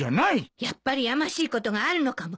やっぱりやましいことがあるのかも。